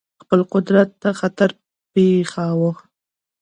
خپل قدرت ته خطر پېښاوه.